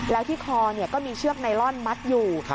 แล้วที่คอก็มีเชือกไนลอนมัดอยู่